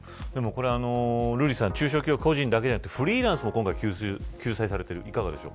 瑠麗さん中小企業、個人だけでなくフリーランスも今回、救済されている。